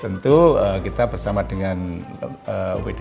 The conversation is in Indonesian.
tentu kita bersama dengan wd